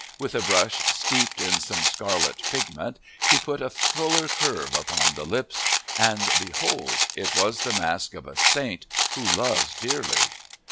With a brush steeped in some scarlet pigment, he put a fuller curve upon the lips. And behold! it was the mask of a saint who loves dearly.